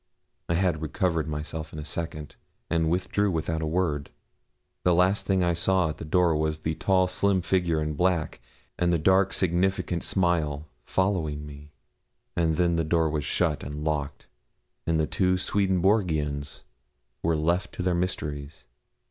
I had recovered myself in a second, and withdrew without a word. The last thing I saw at the door was the tall, slim figure in black, and the dark, significant smile following me: and then the door was shut and locked, and the two Swedenborgians were left to their mysteries.